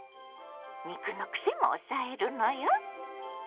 肉のクセも抑えるのよ。